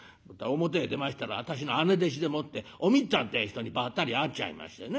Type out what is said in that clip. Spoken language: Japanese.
「表へ出ましたら私の姉弟子でもっておみっつぁんってえ人にばったり会っちゃいましてね